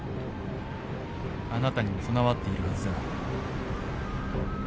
あなたにも備わっているはずだ。